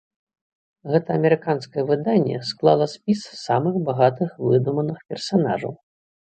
Гэта амерыканскае выданне склала спіс самых багатых выдуманых персанажаў.